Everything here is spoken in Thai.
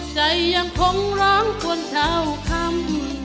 ใจยังคงร้องคนเช่าคำ